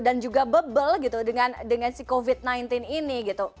juga bebel gitu dengan si covid sembilan belas ini gitu